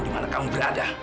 dimana kamu berada